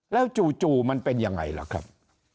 แล้วจู่มันเป็นยังไงล่ะครับ